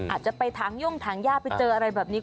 อาจจะไปถังย่งถังย่าไปเจออะไรแบบนี้